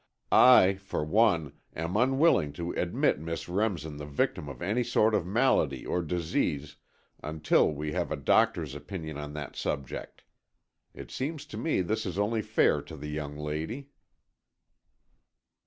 I, for one, am unwilling to admit Miss Remsen the victim of any sort of malady or disease until we have a doctor's opinion on that subject. It seems to me this is only fair to the young lady."